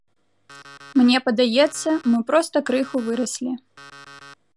Мне падаецца, мы проста крыху выраслі.